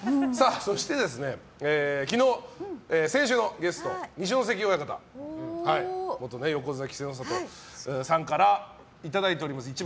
そして、先週のゲスト二所ノ関親方元横綱、稀勢の里からいただいております。